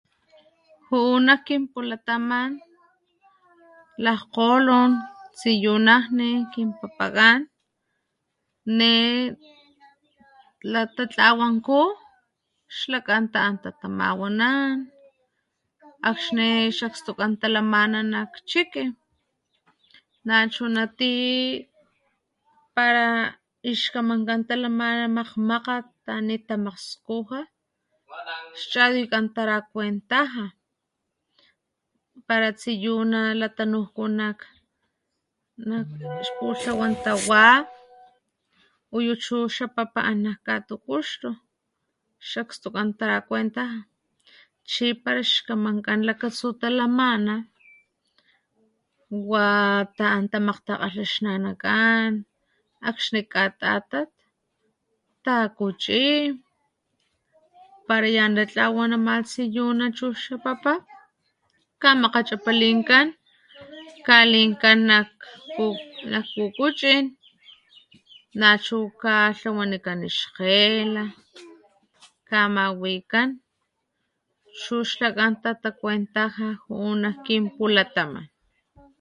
Ju´u nak kinpulataman lakgkgolon tsiyunajni kinpa´pakan ne latatlawanku xlakan ta´an tatamawanan akxni ix aktstukan talamana nak chiki, nachuna ti para ix kamankan talamana makgmakgat tanit tamakgskuja xtatuykan tarakuentaja para tsiyuna latanujku nak ix pulhawan tawa uyu chu xa pa´pa an nak katukuxtu ix akstukan tarakuentaja chi para ixkamankan lakatsu talamana wa ta´an tamakgtakgalha ix nanakan akxni katatat takuchi para yan la tlawan ama tsiyuna chu xa papa kamakgachapalinkan kalinkan nak pukuchin nachu katlawanikan ix kgela kamawikan chu xlakan tatakuentaja ju´u nak kin pulataman